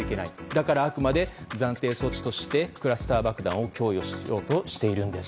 だからあくまで暫定措置としてクラスター爆弾を供与しようとしているんです。